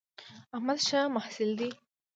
احمد ښه محصل دی